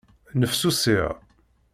Nnefsusiɣ.